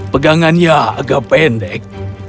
pegangannya agak pendek